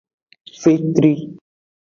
Fetri.